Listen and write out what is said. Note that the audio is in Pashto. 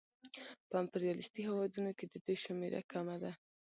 په امپریالیستي هېوادونو کې د دوی شمېره کمه ده